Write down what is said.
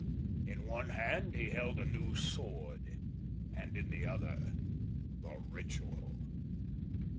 In one hand he held a new sword and in the other the Ritual."